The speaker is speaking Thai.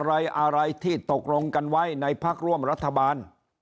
อะไรอะไรที่ตกลงกันไว้ในพักร่วมรัฐบาล